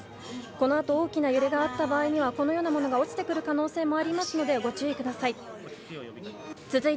このあと大きな揺れがあった場合にはこのようなものが落ちてくる可能性もありますのでご注意ください。